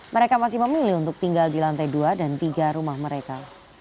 mereka masih memilih untuk tinggal di lantai dua dan tiga rumah mereka